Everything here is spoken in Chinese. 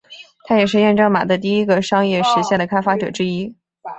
他也是验证码的第一个商业实现的开发者之一。